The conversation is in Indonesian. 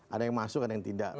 ada yang masuk ada yang tidak